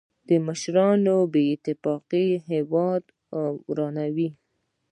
د مشرانو بې اتفاقي هېواد ورانوي.